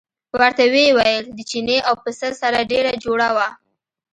ورته ویې ویل د چیني او پسه سره ډېره جوړه وه.